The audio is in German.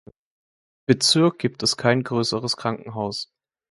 Bezirk gibt es kein größeres Krankenhaus.